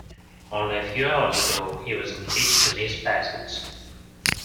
Only a few hours ago he was engaged to Miss Bassett.